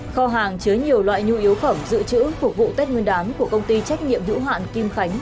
kho hàng chứa nhiều loại nhu yếu phẩm dự trữ phục vụ tết nguyên đán của công ty trách nhiệm hữu hạn kim khánh